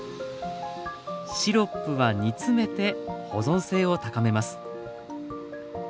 シロップは煮詰めて保存性を高めます。